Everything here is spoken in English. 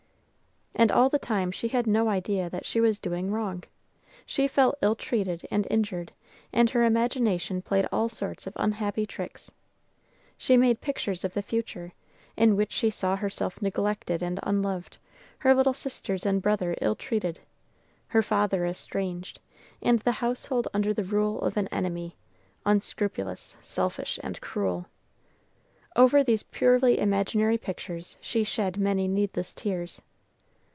And all the time she had no idea that she was doing wrong. She felt ill treated and injured, and her imagination played all sorts of unhappy tricks. She made pictures of the future, in which she saw herself neglected and unloved, her little sisters and brother ill treated, her father estranged, and the household under the rule of an enemy, unscrupulous, selfish, and cruel. Over these purely imaginary pictures she shed many needless tears.